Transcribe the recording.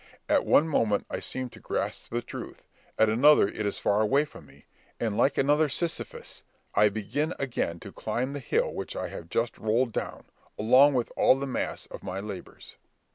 At one moment I seem to grasp the truth, at another it is far away from me; and, like another Sisyphus, I begin again to climb the hill which I have just rolled down, along with all the mass of my labours."